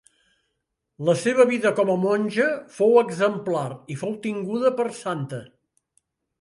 La seva vida com a monja fou exemplar i fou tinguda per santa.